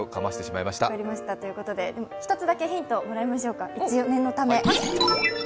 １つだけヒント、もらいましょうか。